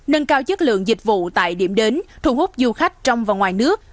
nâng cao chất lượng dịch vụ tại điểm đến thu hút du khách trong và ngoài nước